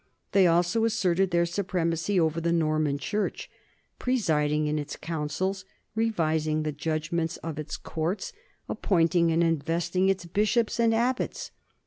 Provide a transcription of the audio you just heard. They also asserted their supremacy over the Norman church, presiding in its councils, revising the judgments of its courts, appointing and investing its bishops and abbots.